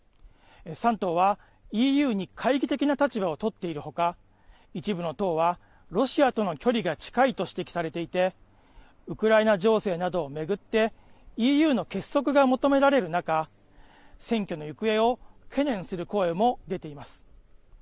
３党はＥＵに懐疑的な立場を取っているほか、一部の党はロシアとの距離が近いと指摘されていて、ウクライナ情勢などを巡って、ＥＵの結束が求められる中、選挙の行方を懸念する声も出ています。